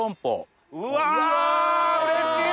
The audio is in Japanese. うわうれしい！